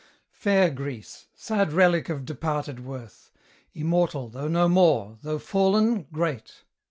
Fair Greece! sad relic of departed worth! Immortal, though no more; though fallen, great!